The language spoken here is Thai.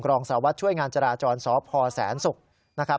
รองสารวัตรช่วยงานจราจรสพแสนศุกร์นะครับ